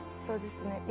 そうですね。